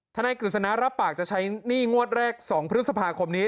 นายกฤษณะรับปากจะใช้หนี้งวดแรก๒พฤษภาคมนี้